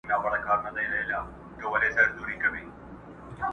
مېرمني ئې څرخه ورته نيولې وه.